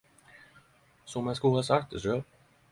Som eg skulle ha sagt det sjølv!